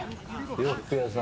洋服屋さん。